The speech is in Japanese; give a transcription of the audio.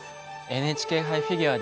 「ＮＨＫ杯フィギュア」